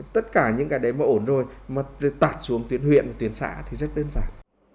tất cả những cái đấy mà ổn rồi tạt xuống tuyến huyện tuyến xã thì rất đơn giản